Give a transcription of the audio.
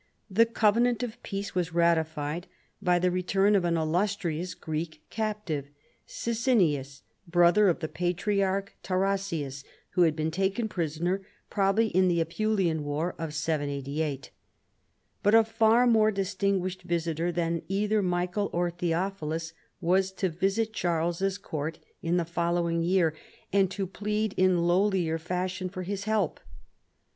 The covenant of peace was ratified by the return of an illustrious Greek captive, Sisinnius, brother of the Patriarch Tarasius, who had been taken prisoner probably in the Apulian war of Y88. But a far more distinguished visitor than either Michael or Theophilus was to visit Charles's court in the following year, and to plead in lowlier fashion for his help.